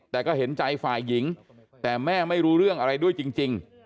แต่ก็เห็นใจฝ่ายหญิงแต่แม่ไม่รู้เรื่องอะไรด้วยจริง